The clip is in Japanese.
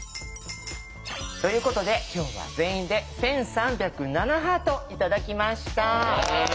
ということで今日は全員で１３０７ハート頂きました。